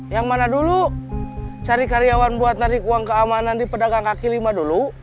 yang mana dulu cari karyawan buat cari uang keamanan di pedagang kaki lima dulu